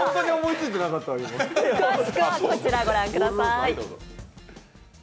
詳しくはこちら、御覧ください。